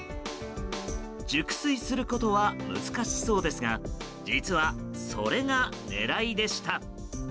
熟睡することは難しそうですが実は、それが狙いでした。